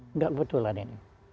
enggak kebetulan ini